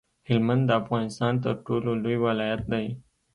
هلمند د افغانستان تر ټولو لوی ولایت دی